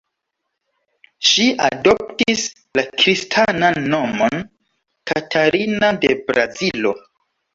Ŝi adoptis la kristanan nomon "Katarina de Brazilo".